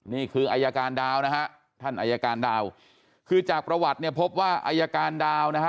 นี่คืออายการดาวนะฮะท่านอายการดาวคือจากประวัติเนี่ยพบว่าอายการดาวนะฮะ